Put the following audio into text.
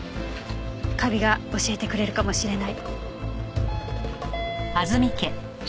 カビが教えてくれるかもしれない。